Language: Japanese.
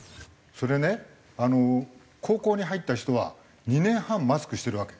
それね高校に入った人は２年半マスクしてるわけ。